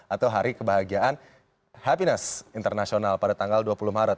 atau hari kebahagiaan happiness internasional pada tanggal dua puluh maret